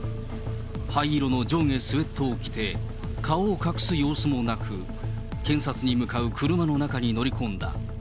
灰色の上下スウェットを着て、顔を隠す様子もなく、検察に向かう車の中に乗り込んだ。